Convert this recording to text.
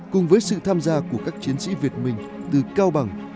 cùng với sự tham gia của các chiến sĩ việt mình từ cao bằng